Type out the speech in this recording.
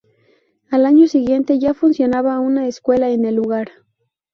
Al año siguiente ya funcionaba una escuela en el lugar.